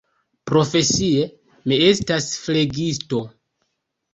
Profesie mi estas flegisto.